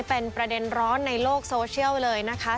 เป็นประเด็นร้อนในโลกโซเชียลเลยนะคะ